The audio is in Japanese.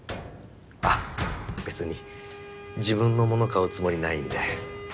あっべつに自分のもの買うつもりないんで。